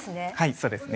そうですね。